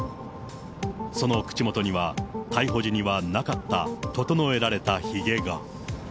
その口元には、逮捕時にはなかった整えられたひげが。